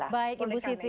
baik ibu siti